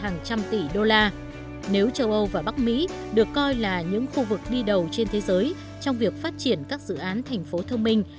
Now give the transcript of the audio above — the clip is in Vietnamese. nếu châu âu và bắc mỹ được coi là những khu vực đi đầu trên thế giới trong việc phát triển các dự án thành phố thông minh